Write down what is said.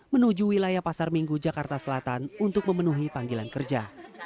menuju wilayah pasar minggu jakarta selatan untuk memenuhi panggilan kerja